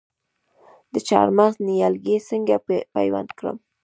د چهارمغز نیالګي څنګه پیوند کړم؟